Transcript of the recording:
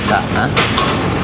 nanti malem gue kembali